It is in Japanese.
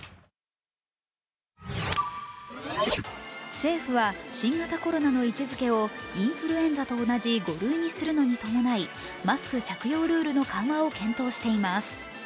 政府は新型コロナの位置づけをインフルエンザと同じ５類にするのに伴いマスク着用ルールの緩和を検討しています。